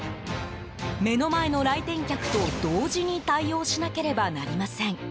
目の前の来店客と同時に対応しなければなりません。